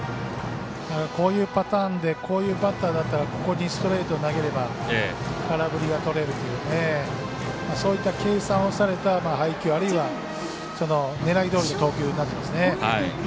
こういうパターンでこういうバッターだったらここにストレートを投げれば空振りがとれるのでそういった計算をされた配球あるいは狙いどおりの投球になってますね。